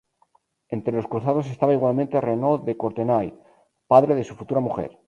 Entre los cruzados estaba igualmente Renaud de Courtenay, padre de su futura mujer.